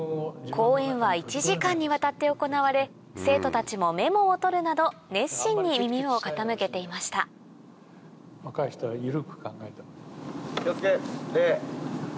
講演は１時間にわたって行われ生徒たちもメモを取るなど熱心に耳を傾けていました気を付け礼。